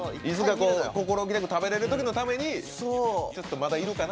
心おきなく食べれるときのためにいるかな？